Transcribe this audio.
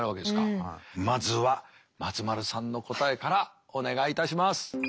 まずは松丸さんの答えからお願いいたします。